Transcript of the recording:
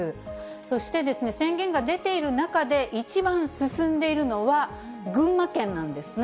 そして宣言が出ている中で、一番進んでいるのは、群馬県なんですね。